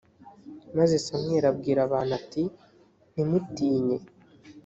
maze samweli abwira abantu ati ntimutinye